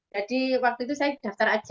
jadi waktu itu saya daftar